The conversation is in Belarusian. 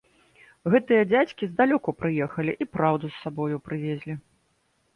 Гэтыя дзядзькі здалёку прыехалі і праўду з сабою прывезлі.